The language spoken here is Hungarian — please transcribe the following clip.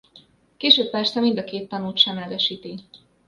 Később persze mind a két tanút semlegesíti.